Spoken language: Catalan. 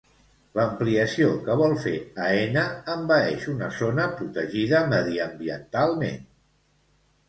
L'ampliació que vol fer Aena envaeix una zona protegida mediambientalment.